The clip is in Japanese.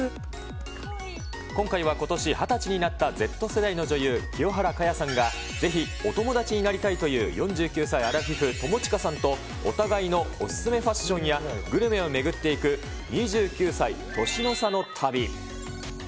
今回は、ことし２０歳になったＺ世代の女優、清原果耶さんがぜひお友達になりたいという４９歳、アラフィフ、友近さんとお互いのお勧めファッションや、グルメを巡っていく、２９歳、年の差の旅。